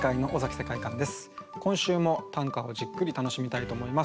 今週も短歌をじっくり楽しみたいと思います。